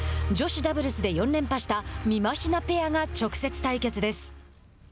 女子ダブルスで４連覇した“みまひな”ペアが直接対決です。